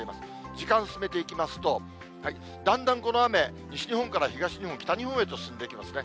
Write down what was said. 時間進めていきますと、だんだんこの雨、西日本から東日本、北日本へと進んできますね。